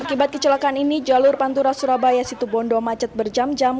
akibat kecelakaan ini jalur pantura surabaya situ bondo macet berjam jam